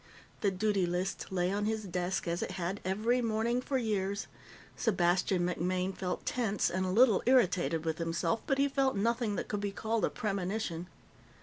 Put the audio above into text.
The duty list lay on his desk, as it had every morning for years. Sebastian MacMaine felt tense and a little irritated with himself, but he felt nothing that could be called a premonition.